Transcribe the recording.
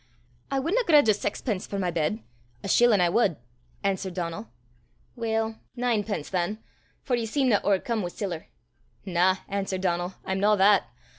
"I wadna grudge a saxpence for my bed; a shillin' I wad," answered Donal. "Weel, ninepence than for ye seemna owercome wi' siller." "Na," answered Donal, "I'm no that.